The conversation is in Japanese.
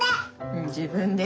うん自分で。